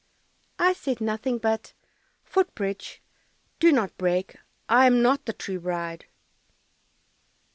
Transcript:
"I said nothing but, "Foot bridge, do not break, I am not the true bride."